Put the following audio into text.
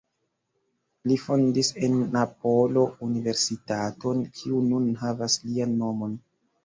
Li fondis en Napolo universitaton kiu nun havas lian nomon.